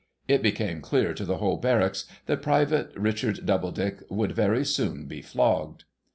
It became clear to the whole barracks that Private Richard Doubledick would very soon be flogged.